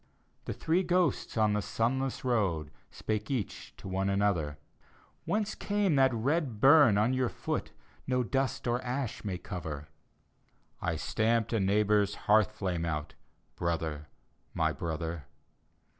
The three ghosts on the sunless road, Spake each to one another, " Whence came that red bum on your foot No dust or ash may cover?" " I stamped a neighbor's hearth flame out, Brother, my brother."